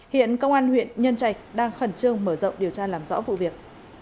hiện công an huyện nhân trạch đang khẩn trương mở rộng điều tra làm rõ vụ việc